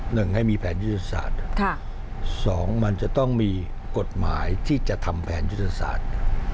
หนึ่งให้มีแผนยุทธศาสตร์สองมันจะต้องมีกฎหมายที่จะทำแผนยุทธศาสตร์